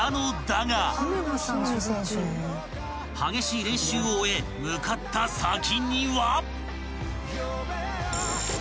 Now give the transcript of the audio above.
［激しい練習を終え向かった先には］